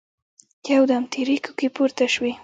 يودم تېرې کوکې پورته شوې.